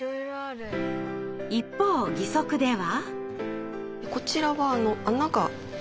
一方義足では。